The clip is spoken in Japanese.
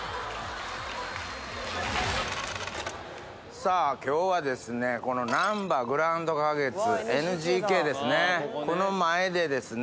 さあ、きょうはですね、このなんばグランド花月、ＮＧＫですね。